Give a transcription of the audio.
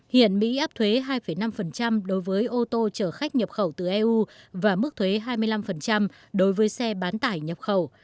hiện mỹ áp thuế hai năm đối với ô tô chở khách nhập khẩu từ eu và mức thuế hai mươi năm đối với xe bán tải nhập khẩu